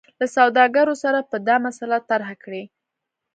له سوداګرو سره به دا مسله طرحه کړي.